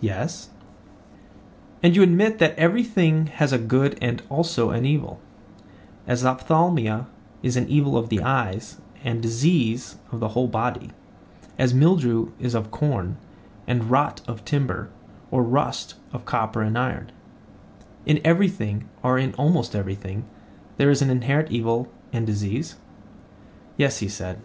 Yes. And you admit that every thing has a good and also an evil; as ophthalmia is the evil of the eyes and disease of the whole body; as mildew is of corn, and rot of timber, or rust of copper and iron: in everything, or in almost everything, there is an inherent evil and disease? Yes, he said.